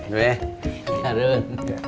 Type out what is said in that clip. be ya run